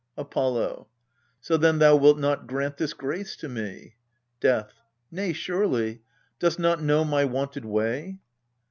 Apollo. So then thou wilt not grant this grace to me ? Death. Nay surely dost not know my wonted way